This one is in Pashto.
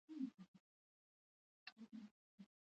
د نړۍ ډېر لوړ ځړوی په کوم هېواد کې دی؟